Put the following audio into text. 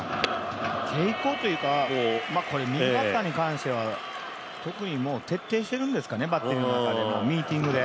傾向というか、右バッターに関しては特に徹底しているんですかね、ミーティングで。